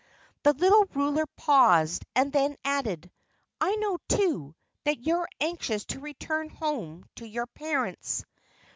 The Little Ruler paused and then added, "I know, too, that you are anxious to return home to your parents."